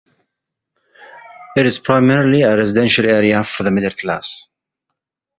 It is primarily a residential area for the middle class.